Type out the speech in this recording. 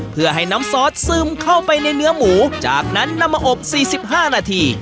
เพื่อให้น้ำซอสซึมเข้าไปในเนื้อหมูจากนั้นนำมาอบ๔๕นาที